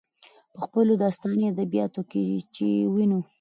په خپلو داستاني ادبياتو کې چې وينو،